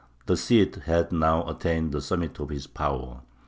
The Cid had now attained the summit of his power.